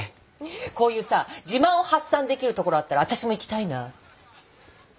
こういうさ自慢を発散できるところあったら私も行きたいな。